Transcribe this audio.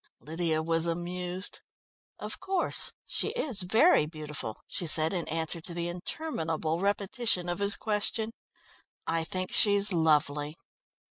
Lydia was amused. "Of course she is very beautiful," she said in answer to the interminable repetition of his question. "I think she's lovely."